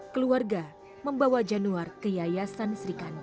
keluarga membawa januar ke yayasan srikandi